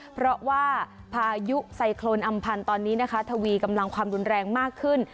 เพราะว่าพายุไซโครนอำพันธ์ตอนนี้นะคะทวีกำลังความรุนแรงมากขึ้น